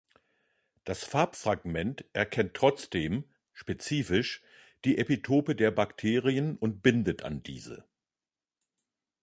Das Fab-Fragment erkennt trotzdem, spezifisch, die Epitope der Bakterien und bindet an diese.